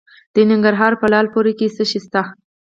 د ننګرهار په لعل پورې کې څه شی شته؟